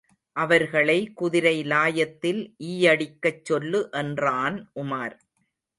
அவர்களை குதிரை லாயத்தில் ஈயடிக்கச் சொல்லு என்றான் உமார்.